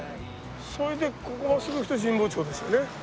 それでここ真っすぐ行くと神保町ですよね。